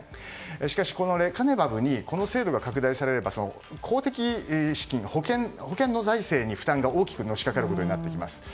しかし、レカネマブにこの制度が拡大されれば公的資金、保険の財政に負担が大きくのしかかることになってきます。